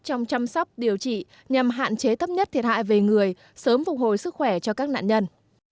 trong chăm sóc điều trị nhằm hạn chế thấp nhất thiệt hại về người sớm phục hồi sức khỏe cho các nạn nhân